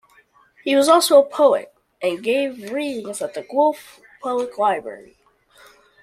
He was also a poet, and gave readings at the Guelph Public Library.